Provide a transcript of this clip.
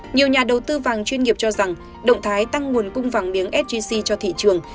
nhiều nhà đầu tư vàng chuyên nghiệp cho rằng động thái tăng nguồn cung vàng miếng s g g cho thị trường